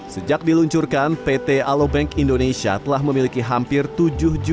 sejak diluncurkan pt alobank indonesia telah memiliki hampir tujuh juta